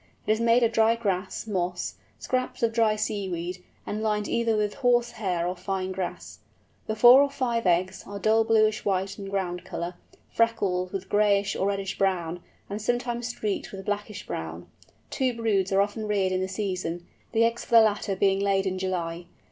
It is made of dry grass, moss, scraps of dry seaweed, and lined either with horsehair or fine grass. The four or five eggs are dull bluish white in ground colour, freckled with grayish or reddish brown, and sometimes streaked with blackish brown. Two broods are often reared in the season, the eggs for the latter being laid in July.